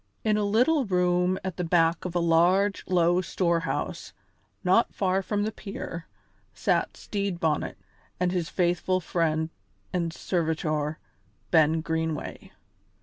In a little room at the back of a large, low storehouse, not far from the pier, sat Stede Bonnet and his faithful friend and servitor, Ben Greenway.